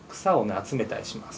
集めたりします。